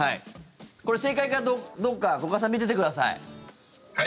これ、正解かどうか五箇さん見ててください。